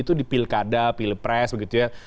itu di pilkada pilpres begitu ya